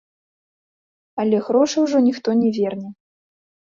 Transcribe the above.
Але грошы ўжо ніхто не верне.